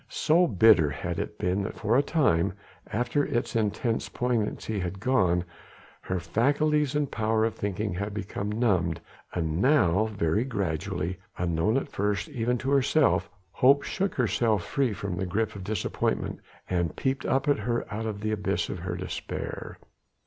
So bitter had it been that for a time after its intense poignancy had gone her faculties and power of thinking had become numbed, and now very gradually, unknown at first even to herself, hope shook itself free from the grip of disappointment and peeped up at her out of the abyss of her despair.